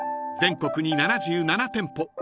［全国に７７店舗